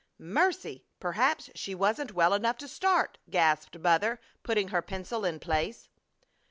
"Mercy! Perhaps she wasn't well enough to start!" gasped mother, putting her pencil in place.